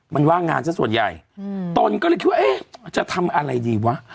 มันว่างงานซะส่วนใหญ่ตนก็เลยคิดว่าเอ๊ะจะทำอะไรดีวะ